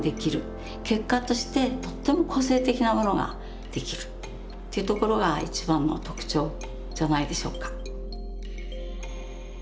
結果としてとっても個性的なものができるっていうところが一番の特徴じゃないでしょうか。